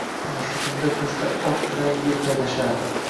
Yoshligimda bizda ot bilan er haydashardi